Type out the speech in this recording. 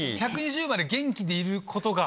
１２０まで元気でいることが？